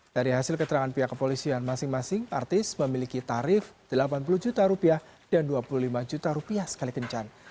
dari hasil keterangan pihak kepolisian masing masing artis memiliki tarif delapan puluh juta rupiah dan dua puluh lima juta rupiah sekali kencan